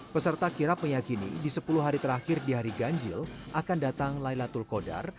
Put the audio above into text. peserta kirap meyakini di sepuluh hari terakhir di hari ganjil akan datang laylatul qadar